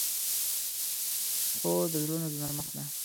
خور د زړونو نرمښت ده.